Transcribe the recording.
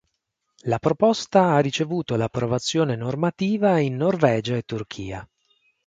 La proposta ha ricevuto l'approvazione normativa in Norvegia e Turchia.